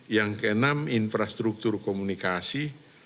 yang keenam infrastruktur komunikasi